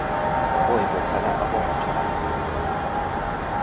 A bolygó fele a Wong család birtoka.